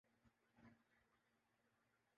ہوا میں carbon dioxide خارج کررہے ہوتے ہیں